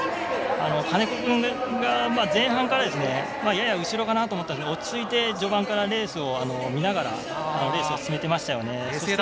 金子君が前半から、やや後ろかなと思いますが、落ち着いて序盤からレースを見ながらレースを進めてましたよね。